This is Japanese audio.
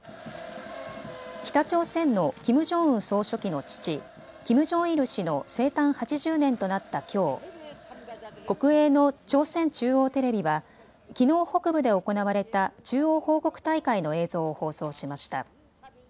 北朝鮮のキム・ジョンウン総書記の父、キム・ジョンイル氏の生誕８０年となったきょう、国営の朝鮮中央テレビはきのう北部で行われた中央報告大会の映像を放送しました。